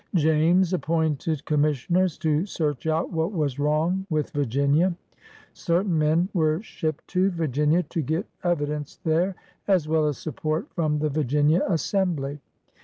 James appointed commissioners to search out what was wrong with Virginia. Certain men were shipped to Virginia to get evidence there, as well as support from the Virginia Assembly.